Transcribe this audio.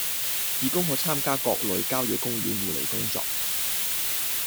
義工可參加各類郊野公園護理工作